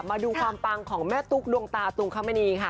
มาดูความปังของแม่ตุ๊กดวงตาตุงคมณีค่ะ